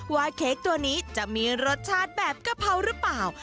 เค้กตัวนี้จะมีรสชาติแบบกะเพราหรือเปล่า